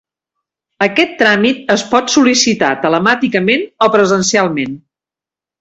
Aquest tràmit es pot sol·licitar telemàticament o presencialment.